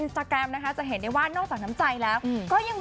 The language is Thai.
ใช่แล้วค่ะ